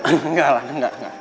enggak lah enggak